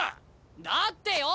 だってよ